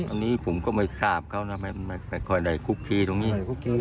วันนี้ผมไม่ทราบเค้าแต่คอยได้กุ๊กเคีย์ตรงนี้